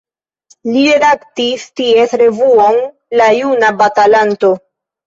Li redaktis ties revuon La Juna Batalanto.